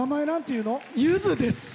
ゆずです。